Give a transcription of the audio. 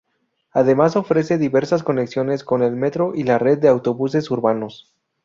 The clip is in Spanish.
Además ofrece diversas conexiones con el metro y la red de autobuses urbanos.